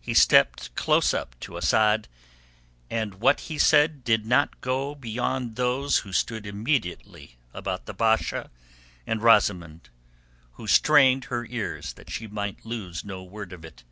He stepped close up to Asad, and what he said did not go beyond those who stood immediately about the Basha and Rosamund, who strained her ears that she might lose no word of it.